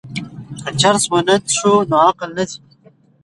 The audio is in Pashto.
که چرس ونه څښو نو عقل نه ځي.